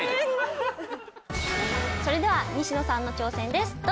それでは西野さんの挑戦です。